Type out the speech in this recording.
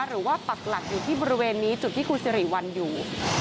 ปักหลักอยู่ที่บริเวณนี้จุดที่คุณสิริวัลอยู่